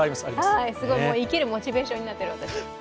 すごい生きるモチベーションになってる。